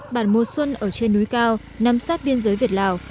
bản mùa xuân ở trên núi cao nằm sát biên giới việt lào